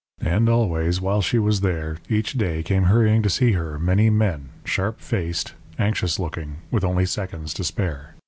And always, while she was there, each day came hurrying to see her many men, sharp faced, anxious looking, with only seconds to spare.